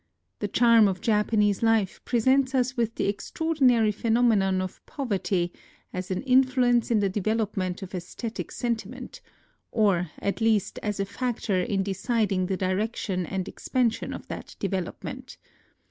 The charm of Japanese life presents us with the extraordinary phenomenon of poverty as an influence in the development of aesthetic sentiment, or at least as a factor in deciding the direction and expansion of that develop ment.